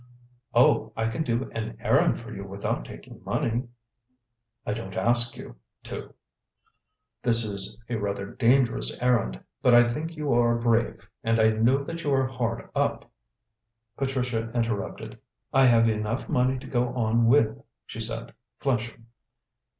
"Oh, I can do an errand for you without taking money." "I don't ask you to: this is rather a dangerous errand. But I think you are brave, and I know that you are hard up " Patricia interrupted. "I have enough money to go on with," she said, flushing.